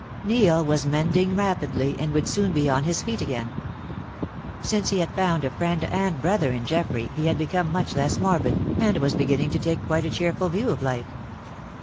Neil was mending rapidly and would soon be on his feet again. Since he had found a friend and brother in Geoffrey he had become much less morbid, and was beginning to take quite a cheerful view of life.